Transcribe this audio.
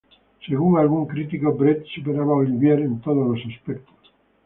Según algún crítico Brett superaba a Olivier en todos los aspectos.